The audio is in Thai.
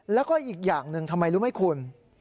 แล้วก็อีกอย่างหนึ่งทำไมรู้ไหมคุณ